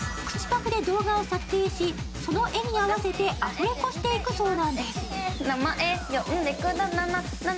口パクで動画を撮影し、その画に合わせてアフレコしていくそうなんです。